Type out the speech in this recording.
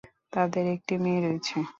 তাদের একটি মেয়ে রয়েছে।